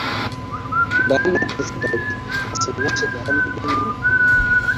Bayan matarsa ta gudu, Hassan ya shiga halin ɗimuwa.